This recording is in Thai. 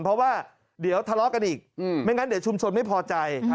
เพราะว่าเดี๋ยวทะเลาะกันอีกไม่งั้นเดี๋ยวชุมชนไม่พอใจ